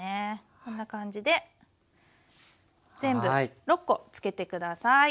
こんな感じで全部６コつけて下さい。